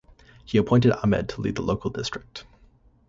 He appointed Ahmed to lead the local district.